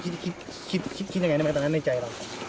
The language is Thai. คิดคิดคิดคิดยังไงนี่มันต้องรักในใจเหรอ